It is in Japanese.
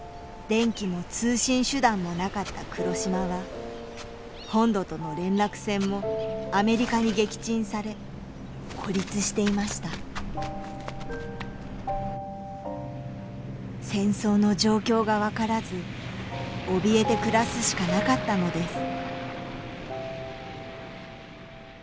電気も通信手段もなかった黒島は本土との連絡船もアメリカに撃沈され孤立していました戦争の状況が分からずおびえて暮らすしかなかったのです